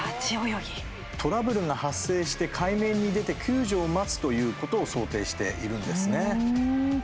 トラブルが発生して海面に出て救助を待つということを想定しているんですね。